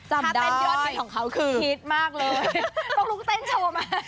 จำได้ฮิตมากเลยต้องลุกเต้นโชว์มา